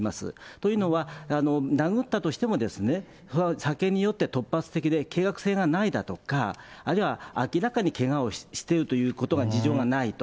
というのは、殴ったとしても、それは酒に酔って突発的で、計画性がないだとか、あるいは明らかにけがをしているということが事情がないと。